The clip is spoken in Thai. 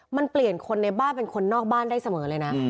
มันเปลี่ยนคนในบ้านเป็นคนนอกบ้านได้เสมอเลยนะ